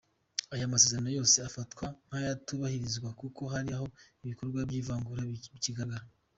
Aya masezerano yose afatwa nk’ayatubahirizwa kuko hari aho ibikorwa by’ivangura bikigaragara.